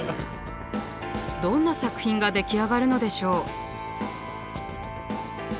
どんな作品が出来上がるのでしょう。